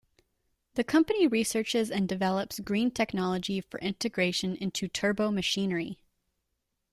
The company researches and develops green technology for integration into turbomachinery.